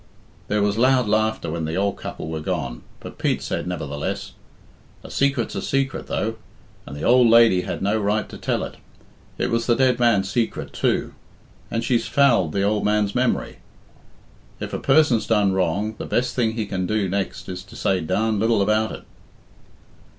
There was loud laughter when the old couple were gone, but Pete said, nevertheless, "A sacret's a sacret, though, and the ould lady had no right to tell it. It was the dead man's sacret too, and she's fouled the ould man's memory. If a person's done wrong, the best thing he can do next is to say darned little about it."